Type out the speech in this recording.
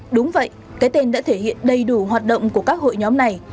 đúng vậy cái tên đã thể hiện đầy đủ hoạt động của các hội nhóm này